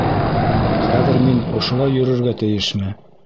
Хәҙер мин ошолай йөрөргә тейешме?